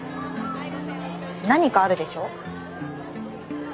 何かあるでしょ？